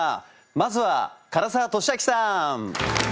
まずは唐沢寿明さん！